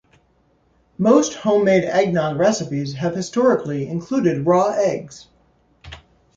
Most homemade eggnog recipes have historically included raw eggs.